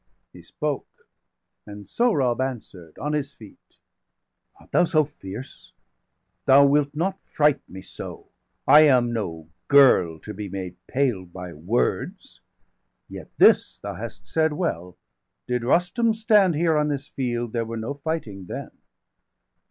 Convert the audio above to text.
He spoke; and Sohrab answer'd, on his feet: "Art thou so fierce? Thou wilt not fright me so°! °380 I am no girl to be made pale by words. Yet this thou hast said well, did Rustum stand Here on this field, there were no fighting then.